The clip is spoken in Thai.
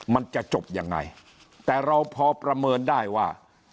มันจะจบยังไงแต่เราพอประเมินได้ว่า